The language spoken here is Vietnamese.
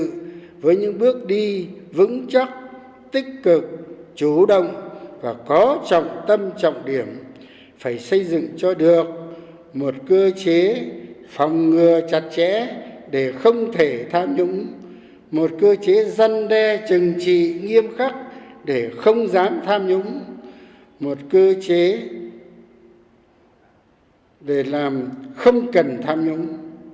cơ chế hình sự với những bước đi vững chắc tích cực chủ động và có trọng tâm trọng điểm phải xây dựng cho được một cơ chế phòng ngừa chặt chẽ để không thể tham nhũng một cơ chế dân đe trừng trị nghiêm khắc để không dám tham nhũng một cơ chế để làm không cần tham nhũng